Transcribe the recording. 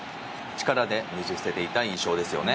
力でねじ伏せていた印象ですね。